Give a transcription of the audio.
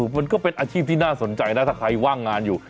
มันก็เป็นอาชีพที่น่าสนใจนะถ้าใครว่างงานอยู่